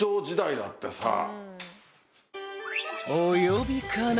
「お呼びかな？」